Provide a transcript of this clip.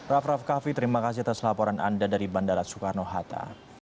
raff raff kaffi terima kasih atas laporan anda dari bandara soekarno hatta